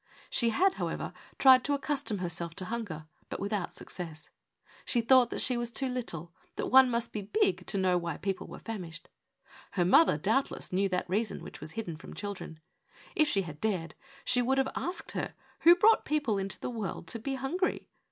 She had, however, tried to accustom herself to hunger, but without success. She thought that she was too little, that one must be big to know why people were famished. Her mother, doubtless, knew that reason which was hidden from children. If she had dared, she would have asked her who brought people into the world to be hungry.